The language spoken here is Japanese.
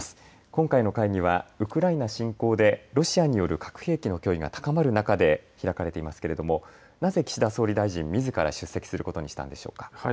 今回の会議はウクライナ侵攻でロシアによる核兵器の脅威が高まる中で開かれていますけれどもなぜ、岸田総理大臣、みずから出席することにしたんでしょうか。